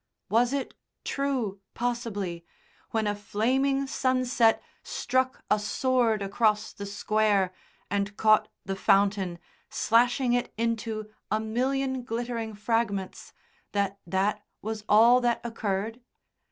Was it true, possibly, when a flaming sunset struck a sword across the Square and caught the fountain, slashing it into a million glittering fragments, that that was all that occurred?